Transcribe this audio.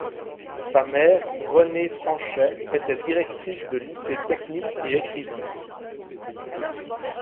Sa mère, Renée Franchet, était directrice de lycée technique et écrivain.